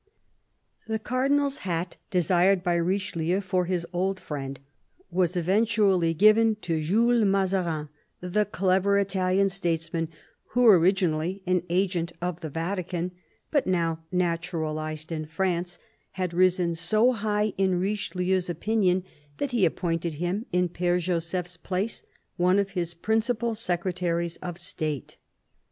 The Cardinal's Hat desired by Richelieu for his old friend was eventually given to Jules Mazarin, the clever Italian statesman who, originally an agent of the Vatican but now naturalised in France, had risen so high in Richelieu's opinion that he appointed him in P^re Joseph's place one of his principal Secretaries of State.